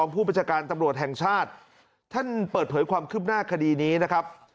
ผู้บัญชาการตำรวจแห่งชาติท่านเปิดเผยความคืบหน้าคดีนี้นะครับ